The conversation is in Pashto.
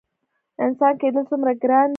انسان کیدل څومره ګران دي؟